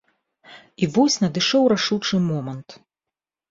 І вось надышоў рашучы момант.